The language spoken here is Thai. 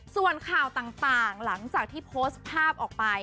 ส่วนข่าวต่างหลังจากที่โพสต์ภาพออกไป